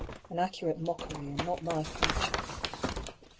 an accurate mockery, and not my creature.